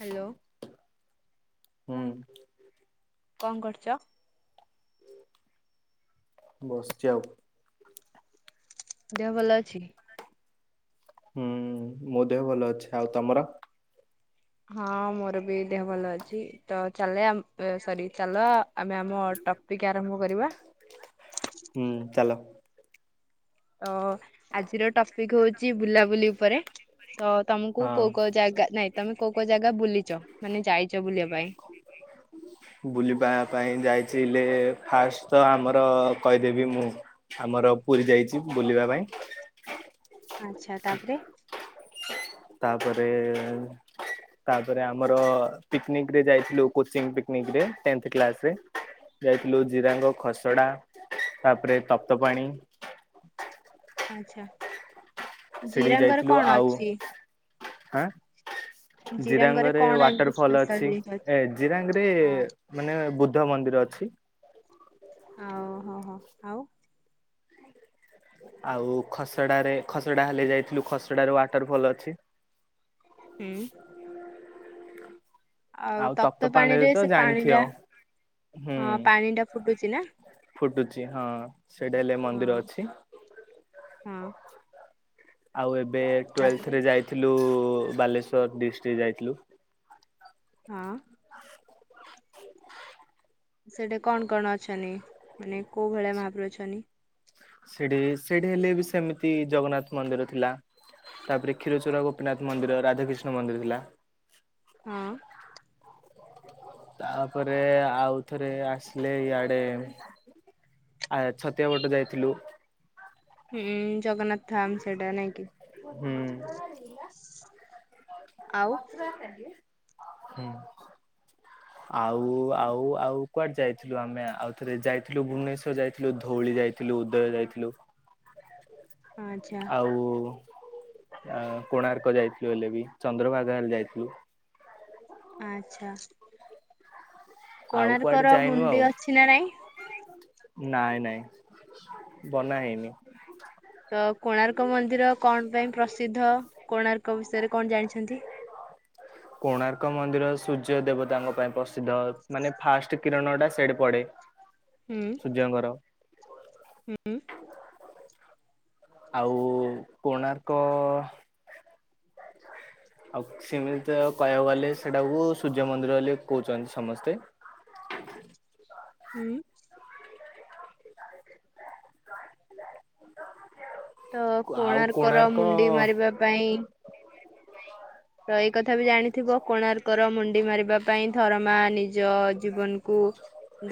Hello ହୁଁ କଣ କରୁଛ ବସିଯଉ ଦେହ ଭଲ ଅଛି ହୁଁ ମୁଁ ଦେହ ଭଲ ଅଛି ଆଉ ତମର ହଁ ମୋର ବି ଦେହ ଭଲ ଅଛି ତ ଚାଲେ ସରି ଚାଲ ଆମେ ଆମ ଟପିକ ଆରମ୍ଭ କରିବା ହୁଁ ଚାଲ ତ ଆଜିର ଟପିକ ହଉଛି ବୁଲାବୁଲି ଉପରେ ତ ତମକୁ କୋଉ କୋଉ ହଁ। ଜାଗା ନାଇଁ ତମେ କୋଉ କୋଉ ଜାଗା ବୁଲିଛ ମାନେ ଯାଇଛ ବୁଲିବା ପାଇଁ? ବୁଲିବା ପାଇଁ ଯାଇ ଫାଷ୍ଟ ତ ଆମର କହିଦେବି ମୁଁ ଆମର ପୁରୀ ଯାଇଛି ବୁଲିବା ପାଇଁ ଆଚ୍ଛା ତାପରେ ତାପରେ ତାପରେ ଆମର ପିକନିକରେ ଯାଇଥିଲୁ କୋଚିଂ ପିକନିକରେ ଟେନ୍ଥ କ୍ଲାସରେ ଯାଇଥିଲୁ ଜିରାଙ୍ଗ ଖସଡ଼ା ତାପରେ ତପ୍ତ ପାାଣି ଆଚ୍ଛା ସେଠିକି ଜିରାଙ୍ଗରେ ଯାଇଥିଲୁ କଣ ଆଉ ଅଛି? ହଁ ଜିରାଙ୍ଗରେ କଣ ଏମିତି ୱାଟର ଫଲ ସ୍ପେଶାଲ ଅଛି ଜିନିଷ ଏ ଜିରାଙ୍ଗ ରେ ହଁ ମାନେ ବୁଦ୍ଧ ମନ୍ଦିର ଅଛି ଓଉହୋ ହୋ ଆଉ ଆଉ ଖସଡାରେ ଖସଡା ହେଲେ ଯାଇଥିଲୁ ଖସଡ ୱାଟର ଫଲ ଅଛି ହୁଁ ଆଉ ତପ୍ତ ତପ୍ତପାଣିରେ ପାଣିରେ ତ ସେ ପାଣି ଜାଣିଥିବ ଟା ହୁଁ ହଁ ପାଣି ଟା ଫୁଟୁଚି ସିନା ଫୁଟୁଛି ହଁ ସେଇଟା ହେଲେ ମନ୍ଦିର ହଁ ଅଛି ହଁ ଆଉ ଏବେ ଏବେ ତାପରେ ଟୁଏଲଥରେ ଯାଇଥିଲୁ ବାଲେଶ୍ଵର ଡିଷ୍ଟ୍ରିକଟ ଯାଇଥିଲୁ ହଁ ସେଠା କଣ କଣ ଅଛନ୍ତି ମାନେ କୋଉ ଭଳିଆ ମହାପ୍ରଭୁ ଅଛନ୍ତି ସେଠି ସେଠି ହେଲେ ବି ସେମିତି ଜଗନ୍ନାଥ ମନ୍ଦିର ଥିଲା ତାପରେ କ୍ଷୀରଚୋର ଗୋପୀନାଥ ମନ୍ଦିର ରାଧାକିଷ୍ଣ ମନ୍ଦିର ଥିଲା। ହଁ। ତାପରେ ଆଉଥରେ ଆସିଲେ ଇଆଡେ ଛତିଆ ପଟ ଯାଇଥିଲୁ। ହୁଁ ଜଗନ୍ନାଥ ଥାମ ସେଇଟା ନାଇଁ କିି। ହୁଁ। [inaudible] ଆଉ ହୁଁ ଆଉ ଆଉ ଆଉ କୁଆଡେ ଯାଇଥିଲୁ ଆମେ ଆଉ ଥରେ ଯାଇଥିଲୁ ଭୁବନେଶ୍ଵର ଯାଇଥିଲୁ ଧଉଳି ଯାଇଥିଲୁ ଉଦୟ ଯାଇଥିଲୁ। ଆଚ୍ଛା ଆଉ କୋଣାର୍କ ଯାଇଛି। [inaudible] ଚନ୍ଦ୍ରଭାଗା ହେଲେ ଯାଇଥିଲୁ। ଆଚ୍ଛା। ଆଉ କୁଆଡେ କୋଣାର୍କର ଯାଇନୁ ଆଉ ମୁଣ୍ଡି ଅଛି ନା ନାଇଁ। ନାଇଁ ନାଇଁ ବନା ହେଇନି। ତ କୋଣାର୍କ ମନ୍ଦିର କଣ ପାଇଁ ପ୍ରସିଦ୍ଧ କୋଣାର୍କ ବିଷୟରେ କଣ ଜାଣିଛନ୍ତି? କୋଣାର୍କ ମନ୍ଦିର ସୂର୍ଯ୍ୟ ଦେବତାଙ୍କ ପାଇଁ ପ୍ରସିଦ୍ଧ ମାନେ ଫାଷ୍ଟ କିରଣ ଟା ସେଠି ପଡେ। ସୂର୍ଯ୍ୟଙ୍କର ହୁଁ। ଆଉ କୋଣାର୍ କଅଅ ଆଉ ସେମିତି ତ କଇବାକୁ ଗଲେ ସେଟାକୁ ସୂର୍ଯ୍ୟ ମନ୍ଦିର ବୋଲି କହୁଛନ୍ତି ସମସ୍ତେ ହୁଁ। ତ ଆଉ କୋଣାର୍କର କୋଣାର୍କ ମୁଣ୍ଡି ମାରିବା ପାଇଁ ତ ଏଇ କଥା ବି ଜାଣିଥିବ କୋଣାର୍କର ମୁଣ୍ଡି ମାରିବା ପାଇଁ ଥରମା ନିଜ ଜୀବନକୁ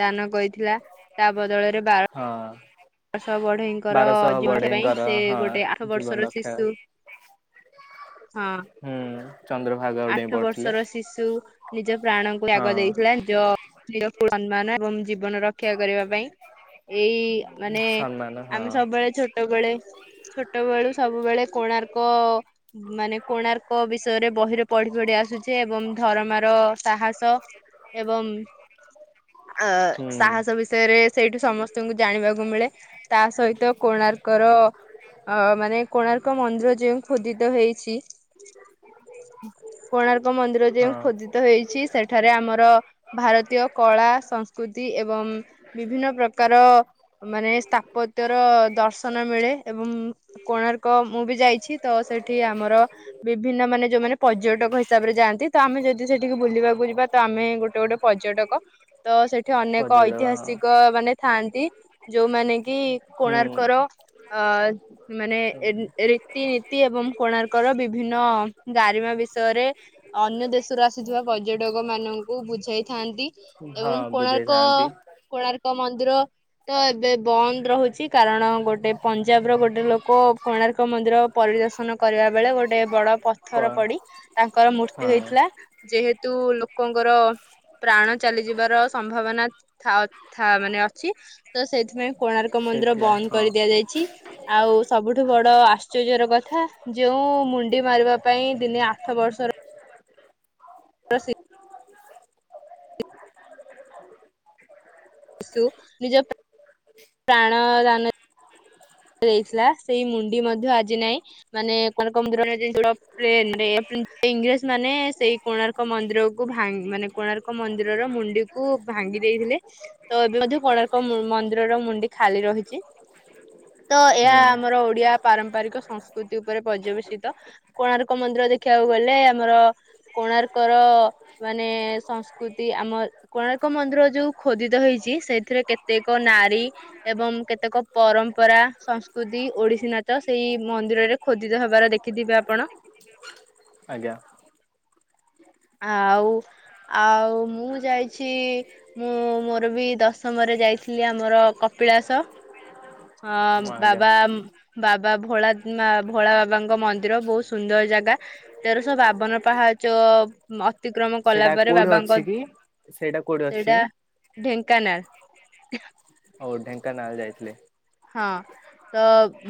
ଦାନ କରିଥିଲା ତା ବଦଳରେ ହଁ। ବଷ ବଢେଇଙ୍କର ବାରଶହ [inaudible] ପାଇଁ ବଢେଇଙ୍କର ସେ ହଁ ଗୋଟେ ଆଠ ଜୀବନ ବର୍ଷର ରକ୍ଷା ଶିଶୁ ହଁ ହୁଁ ଚନ୍ଦ୍ରଭାଗା ଗୋଟେ ଆଠ ପଢୁଥିଲେ। ବର୍ଷର ଶିଶୁ ନିଜ ପ୍ରାଣଙ୍କୁ ଟ୍ୟାଗ ହଁ ଦେଇଥିଲା [inaudible] [inaudible] ଜୀବନ ରକ୍ଷା କରିବା ପାଇଁ ଏଇ ମାନେ ସମ୍ମାନ ହଁ ଆମେ ସବୁବେଳେ ଛୋଟବେଳେ ଛୋଟ ବେଳୁ ସବୁବେଳେ କୋଣାର୍କ ମାନେ କୋଣାର୍କ ବିଷୟରେ ବହିରେ ପଢି ପଢି ଆସୁଛେ ଏବଂ ଧରମାର ସାହସ ଏବଂ ଅ ହୁଁ ସାହସ ବିଷୟରେ ସେଇଠୁ ସମସ୍ତ ତଙ୍କୁ ଜାଣିବାକୁ କୁମଳେ ତା ସହିତ କୋଣାର୍କର ଅ ମାନେ କୋଣାର୍କ ମନ୍ଦିର ଯଉ ଖୋଦିତ ହେଇଛି କୋଣାର୍କ ମନ୍ଦିର ଯୋଉ ହଁ ଖୋଦିତ ହେଇଛି ସେଠାରେ ଆମର ଭାରତୀୟ କଳା ସଂସ୍କୃତି ଏବଂ ବିଭିନ୍ନ ପ୍ରକାର ମାନେ ସ୍ଥାପତ୍ୟର ଦର୍ଶନ ମିଳେ ଏବଂ କୋଣାର୍କ ମୁଁ ବି ଯାଇଛି ତ ସେଠି ଆମର ବିଭିନ୍ନ ମାନେ ଯୋଉମାନେ ପର୍ଯ୍ୟଟକ ହିସାବରେ ଯାଆନ୍ତି ତ ଆମେ ଯଦି ସେଠିକି ବୁଲିବାକୁ ଯିବା ତ ଆମେ ଗୋଟେ ଗୋଟେ ପର୍ଯ୍ୟଟକ ତ ସେଠି ଏଠି ଅନେକ ପର୍ଯ୍ୟଟକ ହଁ ଐତିହାସିକ ମାନେ ଥାଆନ୍ତି। ଯୋଉମାନେ କି କୋଣାର୍କ ର ଆ ମାନେ ରୀତି ନୀତି ଏବଂ କୋଣାର୍କର ବିଭିନ୍ନ ଗାରିମା ବିଷୟରେ ଅନ୍ୟ ଦେଶରୁ ଆସିଥିବା ପର୍ଯ୍ୟଟକ ମାନଙ୍କୁ ବୁଝାଇଥାନ୍ତି। ହୁଁ ଏବଂ ହଁ କୋଣାର୍କ ବୁଝେଇଥାନ୍ତି କୋଣାର୍କ ମନ୍ଦିର କ୍ଷୁଦ୍ର ତ ଏବେ ବନ୍ଦ ରହୁଛି କାରଣ ଗୋଟେ ପଞ୍ଜାବର ଗୋଟେ ଲୋକ କୋଣାର୍କ ମନ୍ଦିର ପରିଦର୍ଶନ କରିବା ବେଳେ ଗୋଟେ ବଡ଼ ପ ପଥର ପଡି ତାଙ୍କର ମୃତ୍ୟୁ ହଁ ହେଇଥିଲା ଯେହତୁ ତୁ ଲୋକଙ୍କର ପ୍ରାଣ ଚାଲିଯିବାର ସମ୍ଭାବନା ଥା ମାନେ ଅଛି। ତ ସେଇଥିପାଇଁ କୋଣାର୍କ ମନ୍ଦିର ସେଇଥିଲାଗି ବନ୍ଦ ହଁ କରିଦିଆଯାଇଛି ଆଉ ସବୁଠୁ ବଡ ଆଶ୍ଚର୍ଯ୍ୟର କଥା ଯୋଉ ମୁଣ୍ଡି ମାରିବା ପାଇଁ ଦିନେ ଆଠ ବର୍ଷର ପ୍ରସି [unintelligible] ଦେଇଥିଲା ସେଇ ମୁଣ୍ଡି ମଧ୍ୟ ଆଜି ନାଇଁ ମାନେ କୋଣାର୍କ ମନ୍ଦିର ଇଂରେଜ ମାନେ ସେଇ କୋଣାର୍କ ମନ୍ଦିରକୁ ମାନେ କୋଣାର୍କ ମନ୍ଦିରର ମୁଣ୍ଡିକୁ ଭାଙ୍ଗି ଦେଇଥିଲେ ତ ଏବେ ମଧ୍ୟ କୋଣାର୍କ ମନ୍ଦିରର ମୁଣ୍ଡି ଖାଲି ରହିଛି। ତ ଏହା ହୁଁ ଆମର ଓଡିଆ ପାରମ୍ପରିକ ସଂସ୍କୃତି ଉପରେ ପର୍ଯ୍ୟବେସିତ କୋଣାର୍କ ମନ୍ଦିର ଦେଖିବାକୁ ଗଲେ ଆମର କୋଣାର୍କର ମାନେ ସଂସ୍କୃତି ଆମ କୋଣାର୍କ ମନ୍ଦିର ଯୋଉ ଖୋଦିତ ହେଇଛି ସେଥିରେ କେତେକ ନାରୀ ଏବଂ କେତେକ ପରମ୍ ପରମ୍ପରା ସଂସ୍କୃତି ଓଡିଶୀ ନାଚ ସେଇ ମନ୍ଦିରରେ ଖୋଦିତ ହେବାର ଦେଖିଥିବେ ଆପଣ। ଆଜ୍ଞା। ଆଉ ଆଉ ମୁଁ ଯାଇଛି ମୁଁ ମୋର ବି ଦଶମରେ ଯାଇଥିଲି ଆମର କପିଳାସ। ହଁ ମୁଁ ଆଜ୍ଞା ବାବା ବା ବା ଭୋଳା ଭୋଳା ବାବାଙ୍କ ମନ୍ଦିର ବହୁତ ସୁନ୍ଦର ଜାଗା ତେରଶହ ବାବନ ପାହାଚ ଅତିକ୍ରମ କଲା ସେଇଟା ପରେ କୋଉଠି ବାବାଙ୍କ ଅଛି କି? କୋଉଠି ଅଛି ସେଇଟା କି ଢେଙ୍କାନାଳ। [inaudible] ହଉ ଢେଙ୍କାନାଳ ଯାଇଥିଲେ। ହଁ ତ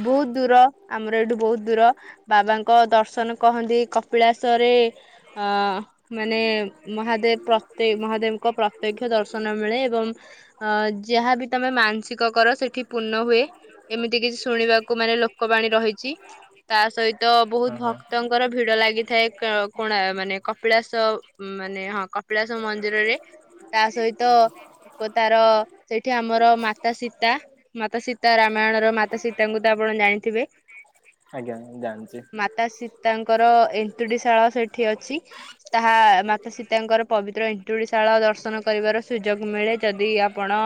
ବହୁତ ଦୂର ଆମର ଏଇଠୁ ବହୁତ ଦୂର ବାବାଙ୍କ ଦର୍ଶନ କହନ୍ତି। କପିଳାସରେ ଅ ମାନେ ମହାଦେବ ପ୍ରତ୍ୟ ମହାଦେବଙ୍କ ପ୍ରତ୍ୟକ୍ଷ ଦର୍ଶନ ମିଳେ ଏବଂ ଅ ଯାହାବି ତମେ ମାନସିକ କର ସେଠି ପୂର୍ଣ୍ଣ ହୁଏ। ଏମିତି କିଛି ଶୁଣିବାକୁ ମାନେ ଲୋକବାଣୀ ରହିଛି ତା ସହିତ ବହୁତ ହଁ ହଁ ଭକ୍ତଙ୍କର ଭିଡ ଲାଗିଥାଏ କୋଣା ମାନେ କପିଳାସ ମାନେ ହଁ କପିଳାସ ମନ୍ଦିରରେ ତା ସହିତ ତାର ସେଇଠି ଆମର ମାତା ସୀତା ମାତା ସୀତା ରାମାୟଣର ମାତା ସୀତାଙ୍କୁ ତ ଆପଣ ଜାଣିଥିବେ। ଆଜ୍ଞା ଜାଣିଛି। ତାଙ୍କର ଏନ୍ତୁଡିଶାଳ ସେଠି ଅଛି। ତାହା ମାତା ସୀତାଙ୍କର ପବିତ୍ର ଏନ୍ତୁଡିଶାଳ ଦର୍ଶନ କରିବାର ସୁଯୋଗ ମିଳେ। ଯଦି ଆପଣ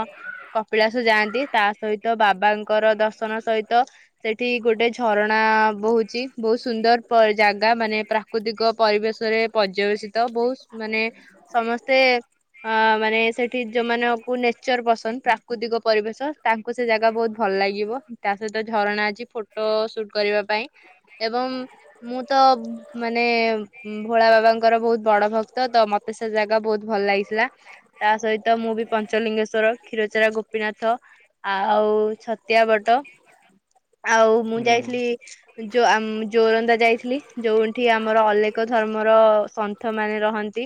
କପିଳାସ ଯାଆନ୍ତି ତା ସହିତ ବାବାଙ୍କର ଦର୍ଶନ ସହିତ ସେଠି ଗୋଟେ ଝରଣା ବହୁଛି। ବହୁତ ସୁନ୍ଦର ପର୍-ଜାଗା ମାନେ ପ୍ରାକୃତିକ ପରିବେଶରେ ପର୍ଯ୍ୟବେସିତ। ବହୁତ ମାନେ ସମସ୍ତେ ଅ-ମାନେ ସେଠି ଯୋଉମାନଙ୍କୁ ନେଚର ପସନ୍ଦ ପ୍ରାକୃତିକ ପରିବେଶ ତାକୁ ସେ ଜାଗା ବହୁତ ଭଲ ଲାଗିବ। ତା ସହିତ ଝରଣା ଅଛି ଫଟୋ ସୁଟ କରିବା ପାଇଁ ଏବଂ ମୁଁ ତ ମାନେ ଭୋଳା ବାବାଙ୍କର ବହୁତ ବଡ ଭକ୍ତ ତ ମତେ ସେ ଜାଗା ବହୁତ ଭଲ ଲାଗିଥିଲା। ତା ସହିତ ମୁଁ ବି ପଞ୍ଚଲିଙ୍ଗେଶ୍ୱର କ୍ଷୀରଚୋରା ଗୋପୀନାଥ ଆଉ ଛତିଆ ବଟ। ଆଉ ମୁଁ ହୁଁ ଯାଇଥିଲି ଯଓ-ଆମ୍-ଜୋରନ୍ଦା ଯାଇଥିଲି ଯୋଉଁଠି ଆମର ଅଲେଖ ଧର୍ମର ସନ୍ଥ ମାନେ ରହନ୍ତି।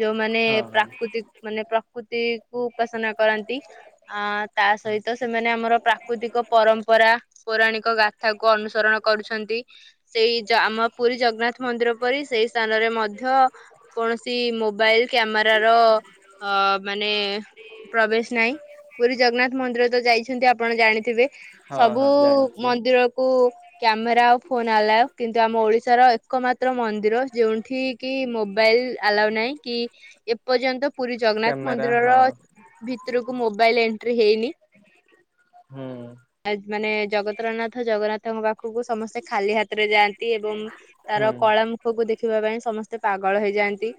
ଯୋଉମାନେ ହଁ ହଁ ପ୍ରାକୃତିକ୍ ମାନେ ପ୍ରକ୍ ପ୍ରକୃତିକୁ ଉପାସନା କରନ୍ତି ଆ ତା ସହି ତ ସେମାନେ ଆମର ପ୍ରାକୃତିକ ପରମ୍ପରା ପୌରାଣିକ ଗାଥାକୁ ଅନୁସରଣ କରୁଛନ୍ତି। ସେଇ ଜ-ଆମ ପୁରୀ ଜଗନ୍ନାଥ ମନ୍ଦିର ପରି ସେଇ ସ୍ଥାନରେ ମଧ୍ୟ କୌଣସି ମୋବାଇଲ କ୍ୟାମେରାର ଅ-ମାନେ ପ୍ରବେଶ ନାହିଁ। ପୁରୀ ଜଗନ୍ନାଥ ମନ୍ଦିର ତ ଯାଇଛନ୍ତି ଆପଣ ଜାଣିଥିବେ। ହଁ ସବୁ ହଁ ଜାଣିଛି ମନ୍ଦିରକୁ କ୍ୟାମେରା ଆଉ ଫୋନ ଆଲାଓ। କିନ୍ତୁ ଆମ ଓଡିଶାର ଏକମାତ୍ର ମନ୍ଦିର ଯେଉଁଠି କି ମୋବାଇଲ ଆଲାଓ ନାହିଁ। କି ଏପର୍ଯ୍ୟନ୍ତ ପୁରୀ ଜଗନ୍ନାଥ କ୍ୟାମେରା ମନ୍ଦିରର ହଁ ଭିତ୍ ଭିତୁର୍ କୁ ମୋବାଇଲ ଏଣ୍ଟ୍ରି ହେଇନି। ହୁଁ। ଆ-ଜ୍ ମାନେ ଜଗତର ନାଥ ଜଗନ୍ନାଥଙ୍କ ପାଖକୁ ସମସ୍ତେ ଖାଲି ହାତରେ ଯାଆନ୍ତି ଏବଂ ତାର ହୁଁ କଳା ମୁୁଖକୁ ଦେଖିବା ପାଇଁ ସମସ୍ତେ ପାଗଳ ହେଇଯାଆନ୍ତି।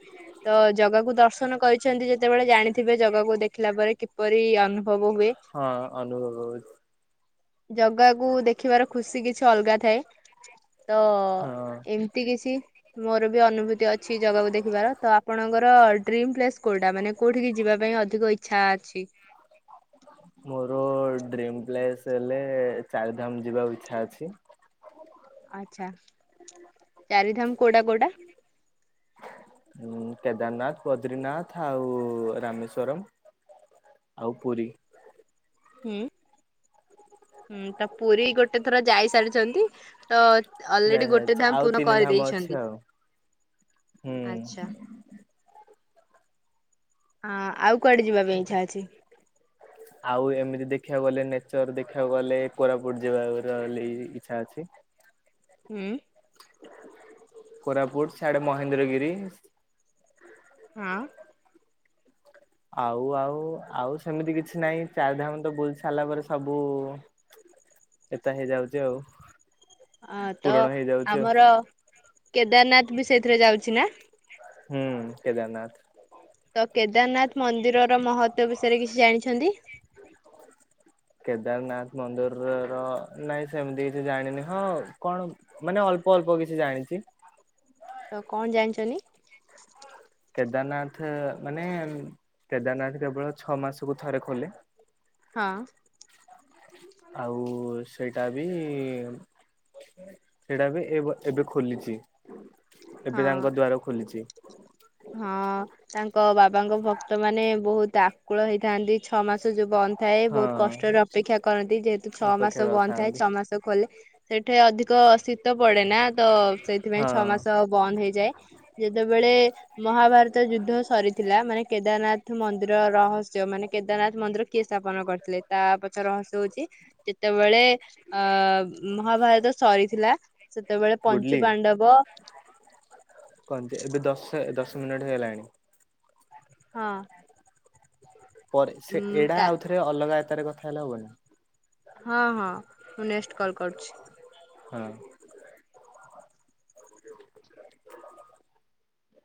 ତ ଜଗାକୁ ଦର୍ଶନ କରିଛନ୍ତି ଯେତେବେଳେ ଜାଣିଥିବେ ଜଗାକୁ ଦେଖିଲା ପରେ କିପରି ଅନୁଭବ ହୁଏ? ହଁ ଅନୁଭବ ହୋ ଜଗାକୁ ଦେଖିବାର ଖୁସି କିଛି ଅଲଗା ଥାଏ। ତ ହଁ। ଏମିତି କିଛି ମୋର ବି ଅନୁଭୂତି ଅଛି ଜଗାକୁ ଦେଖିବାର। ତ ଆପଣଙ୍କର ଡ୍ରିମ ପ୍ଲେସ୍ କୋଉଟା? ମାନେ କୋଉଠିିକି ଯିବା ପାଇଁ ଅଧିକ ଇଛା ଅଛି? ର ଡ୍ରିମ ପ୍ଲେସ୍ ହେଲେ ଚାରିଧାମ ଯିବାକୁ ଇଚ୍ଛା ଅଛି। ଆଛା। ଚାରିଧାମ କୋଉଟା କୋଉଟା? ଉଁ କେଦାରନାଥ। ବଦ୍ରିନାଥ ଆଉ ରାମେଶ୍ଵରମ ଆଉ ପୁରୀ। ହୁଁ। ହୁଁ ତ ପୁରୀ ଗୋଟେ ଥର ଯାଇସାରିଚନ୍ତି। ତ ଯାଇ ଅଲରେଡି ଗୋଟେ ଧାମ ଆଉ ପୂନ ତିନି ଧାମ ଅଛି କରିଦେଇଛନ୍ତି। ଆଉ ହୁଁ। ଆଚ୍ଛା। ହଁ ଆଉ କୁଆଡେ ଯିବା ପାଇଁ ଇଛା ଅଛି? ଆଉ ଏମିତି ଦେଖିବାକୁ ଗଲେ ନେଚର ଦେଖିବାକୁ ଗଲେ କୋରାପୁଟ ଯିବା-ଅ-ର-ଲି ଇଛା ଅଛି। ହୁଁ। କୋରାପୁଟ ସିଆଡେ ମହେନ୍ଦ୍ରଗିରି ହଁ। ଆଉ ଆଉ ଆଉ ସେମିତି କିଛି ନାହିଁ ଚାରିଧାମ ତ ବୁଲି ସାରିଲା ପରେ ସବୁ ଏତା ହେଇଯାଉଚି ଆଉ। ହଁ ତ ପୂରଣ ହେଇଯାଉଛି ଆଉ। ଆମର କେଦାରନାଥ ବି ସେଇଥିରେ ଯାଉଚି ନା? ହୁଁ କେଦାରନାଥ। ତ କେଦାରନାଥ ମନ୍ଦିରର ମହତ୍ତ୍ୱ ବିଷୟରେ କିଛି ଜାଣିଛନ୍ତି? କେଦାରନାଥ ମନ୍ଦିର ର ନାଇଁ ସେମିତି କିଛି ଜାଣିନି ହଁ କଣ ମାନେ ଅଳ୍ପ ଅଳ୍ପ କିଛି ଜାଣିଚି। ତ କଣ ଜାଣିଚନ୍ତି? କେଦାରନାଥ ମାନେ କେଦାରନାଥ କେବଳ ଛଅ ମାସକୁ ଥରେ ଖୋଲେ। ହଁ। ଆଉ ସେଇ ଟା ବି ସେଟାବି ଏବ ଏବେ ଖୋଲିଚି। ଏବେ ହଁ ତାଙ୍କ ଦ୍ଵାର ଖୋଲିଚି। ହଁ ତାଙ୍କ ବାବାଙ୍କ ଭକ୍ତ ମାନେ ବହୁତ ଆକୁଳ ହେଇଥାନ୍ତି ଛଅ ମାସ ଯୁବ ଥାଏ ହଁ। ବହୁତ କଷ୍ଟରେ ଅପେକ୍ଷା କରନ୍ତି ଯେହେତୁ ଛଅ ଅପେକ୍ଷା ମାସ ବନ୍ଦ ଥାଏ କରିଥାନ୍ତି ଛଅ ମାସ ଖୋ ଲେ ସେଠା କେ ଅଧିକ ଶୀ ତ ପଡେ ନା ତ ସେଇଥିପାଇଁ ହଁ ଛଅ ମାସ ବନ୍ଦ ହେଇଯାଏ। ଯେତେବେଳେ ମହାଭାରତ ଯୁଦ୍ଧ ସରିଥିଲା ମାନେ କେଦାରନାଥ ମନ୍ଦିର ରହସ୍ୟ ମାନେ କେଦାରନାଥ ମନ୍ଦିର କିଏ ସ୍ଥାପନ କରିଥିଲେ ତା ପଛ ରହସ୍ୟ ହଉଚି ଯେତେବେଳେ ଅ ମହାଭାରତ ସରିଥିଲା। ସେତେବେଳେ ପଞ୍ଚୁ ଗୁଡଲି ପାଣ୍ଡବ କହନ୍ତି ଏବେ ଦଶ ଦଶ ଦଶ ମିନିଟ ହେଇଗଲାଣି। ହଁ। ପରେ ଉଁ ସେ ଏଇଟା ତା ଆଉ ଥରେ ଅଲଗା ରେ କଥା ହେଲା ହବନା? ହଁ ହଁ ମୁଁ ନେକ୍ସଟ କଲ୍ କରୁଛି। ହଁ।